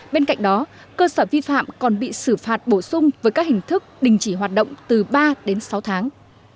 bên cạnh đó cơ sở vi phạm còn bị xử phạt bổ sung với các hình thức đình chỉ hoạt động từ ba đến sáu tháng